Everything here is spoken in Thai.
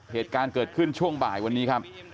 เหตุการณ์เกิดขึ้นช่วงบ่ายวันนี้ครับ